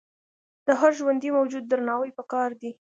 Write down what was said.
د هر ژوندي موجود درناوی پکار دی.